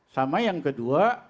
sama yang kedua